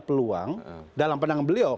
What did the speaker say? peluang dalam pandangan beliau